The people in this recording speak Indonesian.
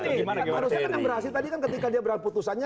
harusnya kan yang berhasil tadi kan ketika dia berhasil putusannya